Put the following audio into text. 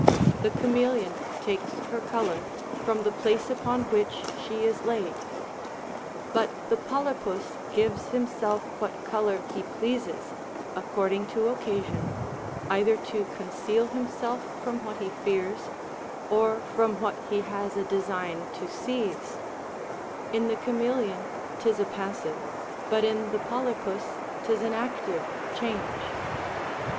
The caméléon takes her colour from the place upon which she is laid; but the polypus gives himself what colour he pleases, according to occasion, either to conceal himself from what he fears, or from what he has a design to seize: in the caméléon 'tis a passive, but in the polypus 'tis an active, change.